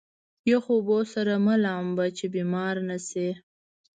يخو اوبو سره مه لامبه چې بيمار نه شې.